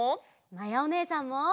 まやおねえさんも！